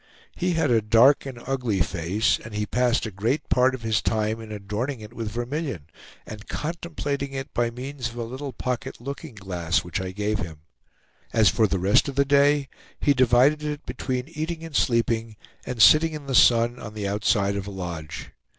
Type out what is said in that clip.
He had a dark and ugly face, and he passed a great part of his time in adorning it with vermilion, and contemplating it by means of a little pocket looking glass which I gave him. As for the rest of the day, he divided it between eating and sleeping, and sitting in the sun on the outside of a lodge.